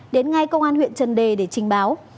đến ngay công an huyện trần đề để trình báo